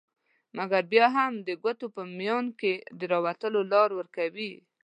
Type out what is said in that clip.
مګر بیا هم ته د ګوتو په میان کي د وتلو لار ورکوي